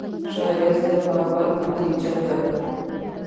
ښایست د باور نتیجه ده